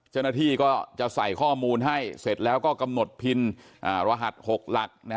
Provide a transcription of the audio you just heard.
เจ้าหน้าที่ก็จะใส่ข้อมูลให้เสร็จแล้วก็กำหนดพินรหัส๖หลัก